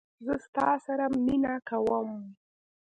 زه ستا سره مینه کوم